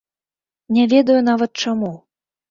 Не ведаю нават чаму.